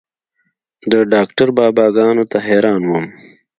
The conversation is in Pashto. د ډاکتر بابا ګانو ته حيران وم.